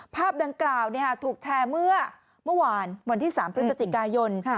ภาพดังกล่าวถูกแชร์เมื่อเมื่อวานวันที่๓พฤศจิกายน